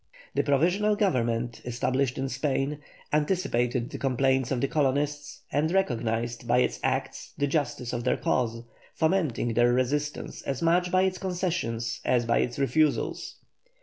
The Provisional Government established in Spain anticipated the complaints of the colonists, and recognised by its acts the justice of their cause, fomenting their resistance as much by its concessions as by its refusals.